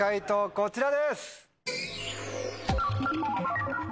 こちらです。